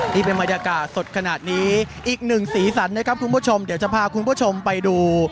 นี่เป็นบรรยากาศสดขนาดนี้อีกหนึ่งสีสันนะครับคุณผู้ชมเดี๋ยวจะพาคุณผู้ชมไปดู